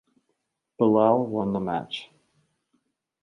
Bilal won the match.